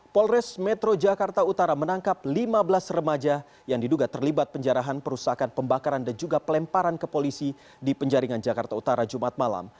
polres metro jakarta utara menangkap lima belas remaja yang diduga terlibat penjarahan perusakan pembakaran dan juga pelemparan ke polisi di penjaringan jakarta utara jumat malam